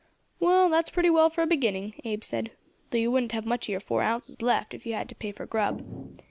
"Well, that's pretty well for a beginning," Abe said, "though you wouldn't have much of your four ounces left if you had had to pay for grub.